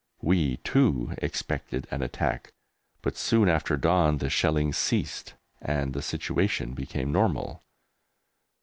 We, too, expected an attack, but soon after dawn the shelling ceased and the situation became normal.